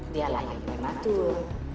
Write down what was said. dia lahir dengan matur